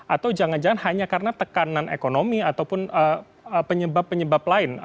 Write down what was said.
atau jangan jangan hanya karena tekanan ekonomi ataupun penyebab penyebab lain